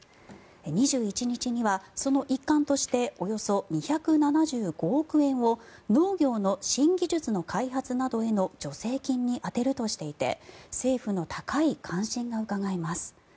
２１日にはその一環としておよそ２７５億円を農業の新技術の開発などへの助成金に充てるとしていて政府の高い関心がうかがえます。